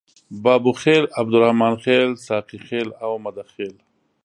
بابوخیل، عبدالرحمن خیل، ساقي خیل او مده خیل.